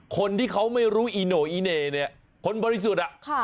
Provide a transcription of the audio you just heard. คนที่เขาไม่รู้อิโนอิเณผลบริสุทธิ์